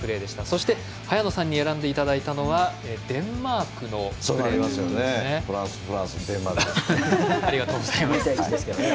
そして、早野さんに選んでいただいたのはデンマークのプレーですね。